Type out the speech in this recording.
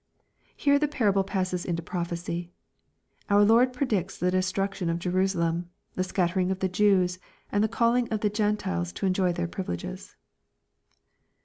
] Here the parable passes into prophecy. Our Lord predicts the destruction of Jerusalem, the scattering of the Jews, and the calling of the Gentiles to enjoy their privileges.